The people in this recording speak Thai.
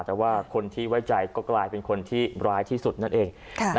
แต่ว่าคนที่ไว้ใจก็กลายเป็นคนที่ร้ายที่สุดนั่นเอง